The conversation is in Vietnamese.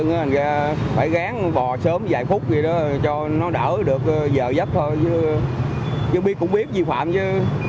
mình phải gán bò sớm vài phút vậy đó cho nó đỡ được giờ giấc thôi chứ biết cũng biết vi phạm chứ